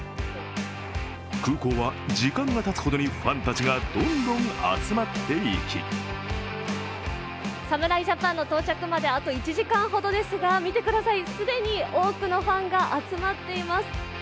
空港は時間がたつほどにファンたちがどんどん集まっていき侍ジャパンの到着まであと１時間ほどですが見てください、既に多くのファンが集まっています。